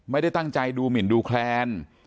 ไม่ได้ตั้งใจดูหมินดูแคลน